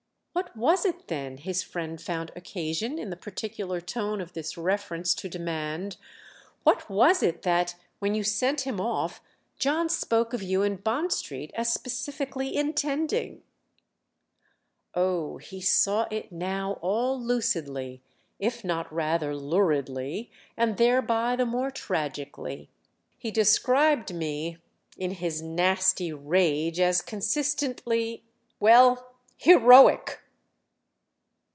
"What was it then," his friend found occasion in the particular tone of this reference to demand, "what was it that, when you sent him off, John spoke of you in Bond Street as specifically intending?" Oh he saw it now all lucidly—if not rather luridly—and thereby the more tragically. "He described me in his nasty rage as consistently—well, heroic!"